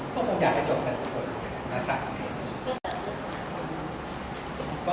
ผมคงอยากให้เกิดชกกันทุกคนนะครับ